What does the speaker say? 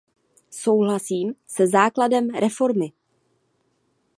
Souhlasím se základem reformy.